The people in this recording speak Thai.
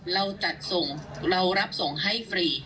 เราจัดส่งเรารับส่งให้ฟรี